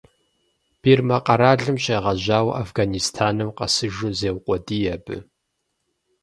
Бирмэ къэралым щегъэжьауэ Афганистаным къэсыжу зеукъуэдий абы.